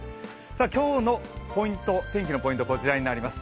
今日の天気のポイント、こちらになります。